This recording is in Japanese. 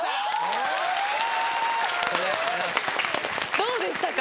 どうでしたか？